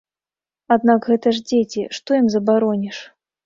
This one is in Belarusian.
Аднак гэта ж дзеці, што ім забароніш?